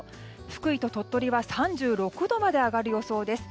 福井と鳥取は３６度まで上がる予想です。